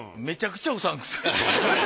めちゃくちゃうさん臭い。